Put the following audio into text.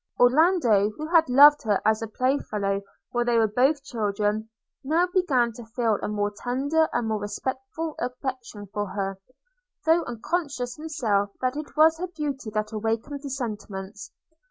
Orlando, who had loved her as a playfellow while they were both children, now began to feel a more tender and more respectful affection for her; though unconscious himself that it was her beauty that awakened these sentiments.